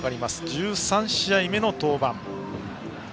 １３試合目の登板。